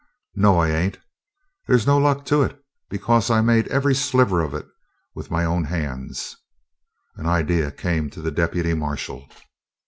"No, I ain't. They's no luck to it, because I made every sliver of it with my own hands." An idea came to the deputy marshal.